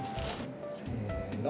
せの。